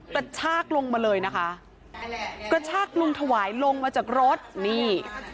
กระชากลงมาเลยนะคะกระชากลุงถวายลงมาจากรถนี่